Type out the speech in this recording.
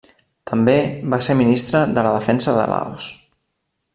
També va ser Ministre de la Defensa de Laos.